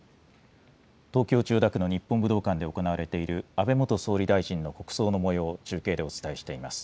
東京・千代田区の日本武道館で行われている安倍元総理大臣の国葬のもようを中継でお伝えしています。